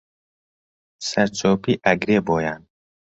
سەرچۆپی ئەگرێ بۆیان